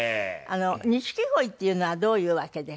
錦鯉っていうのはどういうわけで？